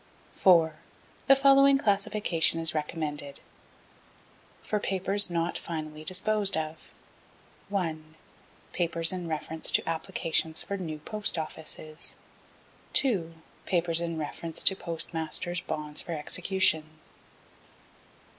4. The following classification is recommended: For Papers not finally disposed of. 1. Papers in reference to applications for new Post Offices. 2. do. Postmasters' Bonds for execution.